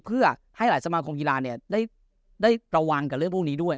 เพื่อให้หลายสมาคมกีฬาได้ระวังกับเรื่องพวกนี้ด้วย